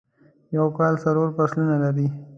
یو کال څلور فصلونه لري.